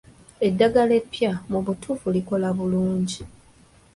Eddagala eppya mu butuufu likola bulungi.